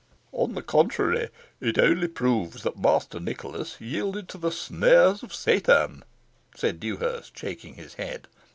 "On the contrary, it only proves that Master Nicholas yielded to the snares of Satan," said Dewhurst, shaking his head.